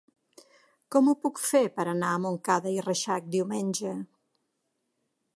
Com ho puc fer per anar a Montcada i Reixac diumenge?